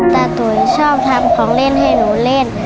ตุ๋ยชอบทำของเล่นให้หนูเล่น